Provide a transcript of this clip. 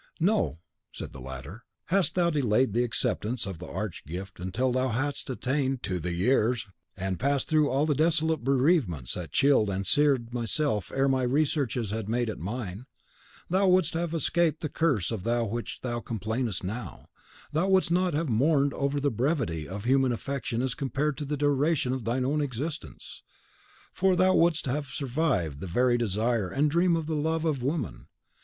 "No," said the latter; "hadst thou delayed the acceptance of the Arch gift until thou hadst attained to the years, and passed through all the desolate bereavements that chilled and seared myself ere my researches had made it mine, thou wouldst have escaped the curse of which thou complainest now, thou wouldst not have mourned over the brevity of human affection as compared to the duration of thine own existence; for thou wouldst have survived the very desire and dream of the love of woman.